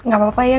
gak apa apa ya